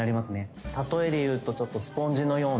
例えで言うとちょっとスポンジのような。